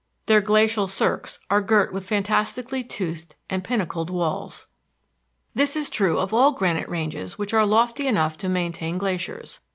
Their glacial cirques are girt with fantastically toothed and pinnacled walls. This is true of all granite ranges which are lofty enough to maintain glaciers.